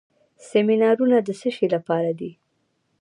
سیمینارونه د څه لپاره دي؟